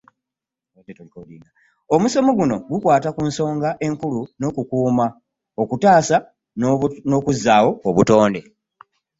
Omusomo guno gukwata ku nsonga enkulu ey'okukuuma, okutaasa n'okuzzaawo obutonde